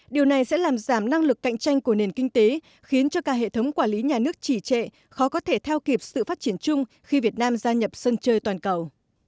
điều này sẽ làm giảm năng lực cạnh tranh của nền kinh tế khiến cho cả hệ thống quản lý nhà nước chỉ trệ khó có thể theo kịp sự phát triển chung khi việt nam gia nhập sân chơi toàn cầu